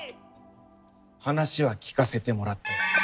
話は聞かせてもらったよ。